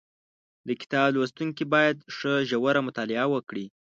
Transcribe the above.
د کتاب لوستونکي باید ښه ژوره مطالعه وکړي